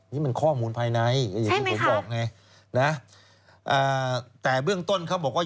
นี่มันข้อมูลภายในอย่างที่ผมบอกไงนะแต่เบื้องต้นเขาบอกว่า